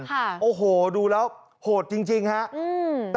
ค่ะโอ้โหดูแล้วโหดจริงจริงฮะอืม